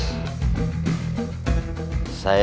akan dibabat habis